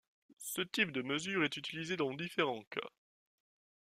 Ce type de mesure est utilisé dans différents cas.